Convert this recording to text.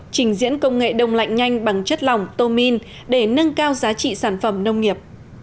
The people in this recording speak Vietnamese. trình diễn công nghệ đông lạnh nhanh bằng chất lỏng tô minh để nâng cao giá trị sản phẩm nông nghiệp